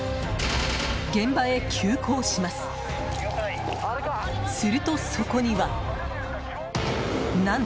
現場へ急行します。